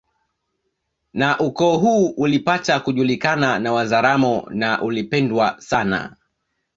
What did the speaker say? Na ukoo huu ulipata kujulikana na Wazaramo na ulipendwa sana